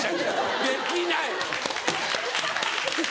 できない。